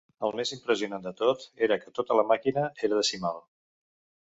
El més impressionant de tot era que tota la màquina era decimal.